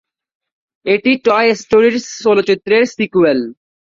এটি "টয় স্টোরি"র চলচ্চিত্রের সিক্যুয়াল।